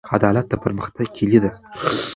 عدالت د پرمختګ کیلي ده.